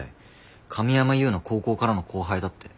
神山祐の高校からの後輩だって。